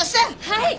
はい。